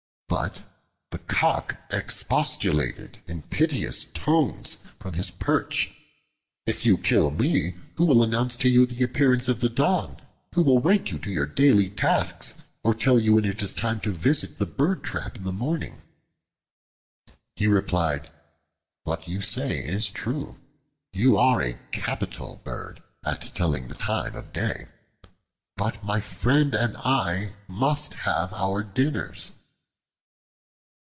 But the Cock expostulated in piteous tones from his perch: "If you kill me, who will announce to you the appearance of the dawn? Who will wake you to your daily tasks or tell you when it is time to visit the bird trap in the morning?" He replied, "What you say is true. You are a capital bird at telling the time of day. But my friend and I must have our dinners."